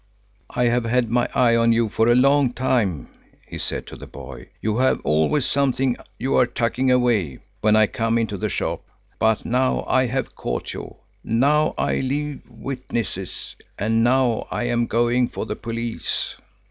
"I have had my eye on you for a long time," he said to the boy. "You have always something you are tucking away when I come into the shop. But now I have caught you. Now I leave witnesses, and now I am going for the police."